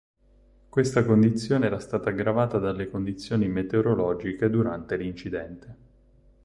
Questa condizione era stata aggravata dalle condizioni meteorologiche durante l'incidente.